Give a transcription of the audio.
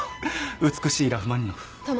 美しいラフマニノフ。とま